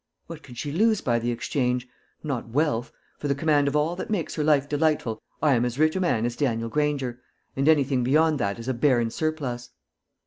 What can she lose by the exchange? Not wealth. For the command of all that makes life delightful, I am as rich a man as Daniel Granger, and anything beyond that is a barren surplus.